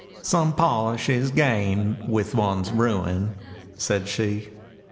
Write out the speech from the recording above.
— "Some polish is gained with one's ruin," said she.